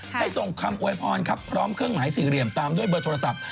ให้ส่งคำอวยพรครับพร้อมเครื่องหมายสี่เหลี่ยมตามด้วยเบอร์โทรศัพท์